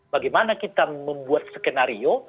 bagaimana kita membuat skenario